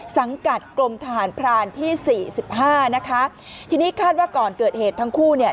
สังกัดกรมทหารพรานที่สี่สิบห้านะคะทีนี้คาดว่าก่อนเกิดเหตุทั้งคู่เนี่ย